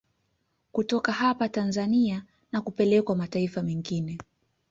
Kutoka hapa Tanzania na kupelekwa mataifa mengine